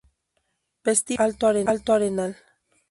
Vestíbulo Alto Arenal